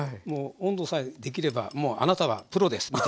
もう温度さえできればもうあなたはプロです。